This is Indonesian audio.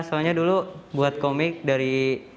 soalnya dulu buat komik dari